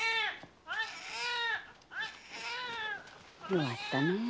弱ったねえ。